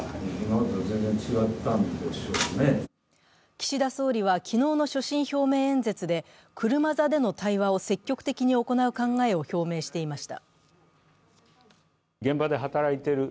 岸田総理は昨日の所信表明演説で車座での対話を積極的に行う考えを表明していました。